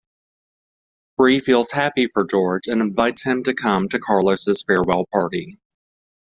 Bree feels happy for George and invites him to come to Carlos's farewell party.